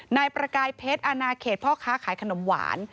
นายประกายเพชรอนาเขตพ่อค้าขายขนมหวาน